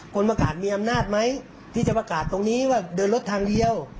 คนประกาศมีอำนาจไหมที่จะประกาศตรงนี้ว่าเดินรถทางเดียว